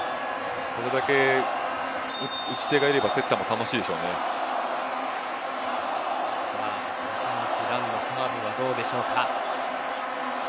これだけ打ち手がいれば高橋藍のサーブはどうでしょうか。